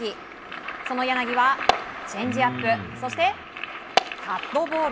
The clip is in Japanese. その柳はチェンジアップそして、カットボール。